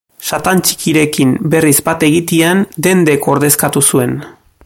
Satan Txikirekin berriz bat egitean Dendek ordezkatu zuen.